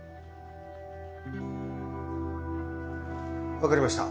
わかりました。